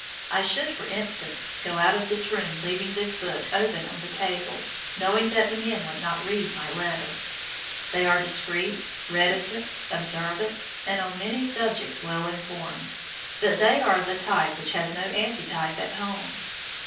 I should, for instance, go out of this room leaving this book open on the table, knowing that the men would not read my letter. They are discreet, reticent, observant, and on many subjects well informed, but they are of a type which has no antitype at home.